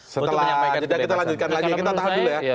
setelah kita lanjutkan lagi